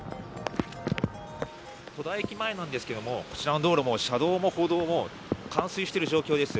戸田駅前なんですけれども、こちらの道路も、車道も歩道も冠水している状況です。